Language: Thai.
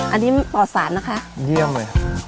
อันนี้หม่อสารนะคะเยี่ยมอ่ะ